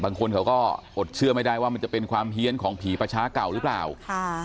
บางคนเขาก็อดเชื่อไม่ได้ว่ามันจะเป็นความเฮียนของผีประชาเก่าหรือเปล่าค่ะ